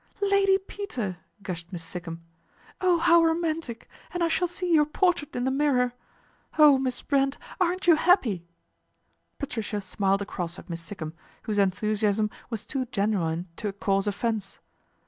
" Lady Peter," gushed Miss Sikkum. " Oh hov' romantic, and I shall see your portrait in Tk Mirror. Oh ! Miss Brent, aren't you happy ?" Patricia smiled across at Miss Sikkum, whosi enthusiasm was too genuine to cause offence.